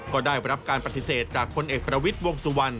ก็ได้รับการปฏิเสธจากพลเอกประวิทย์วงสุวรรณ